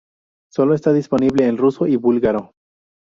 Solo está disponible en ruso y búlgaro.